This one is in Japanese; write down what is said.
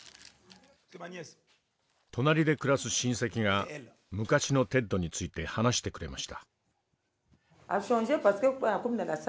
隣で暮らす親戚が昔のテッドについて話してくれました。